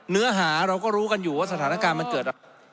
เนื้อหาเราก็รู้กันอยู่ว่าสถานการณ์มันเกิด